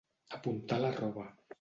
Apuntar la roba.